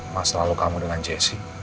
masalah kamu dengan jesse